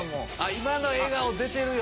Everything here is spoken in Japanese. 今の笑顔出てるよ。